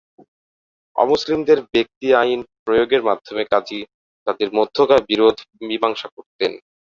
অমুসলিমদের ব্যক্তি-আইন প্রয়োগের মাধ্যমে কাজী তাদের মধ্যকার বিরোধ মীমাংসা করতেন।